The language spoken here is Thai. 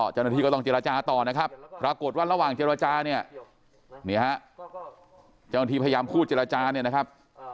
เจ้าหน้าที่ก็ต้องเจรจาต่อนะครับปรากฏว่าระหว่างเจรจาเนี่ยนี่ฮะเจ้าหน้าที่พยายามพูดเจรจาเนี่ยนะครับ